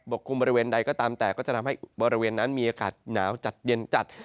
กลุ่มบริเวณใดก็ตามแต่ก็จะทำให้บริเวณนั้นมีอากาศหนาวจัดเย็นจัด